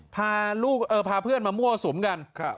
พาเพื่อนมามั่วสุมกัน